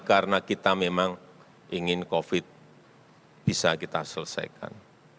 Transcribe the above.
karena kita memang ingin covid sembilan belas bisa kita selesaikan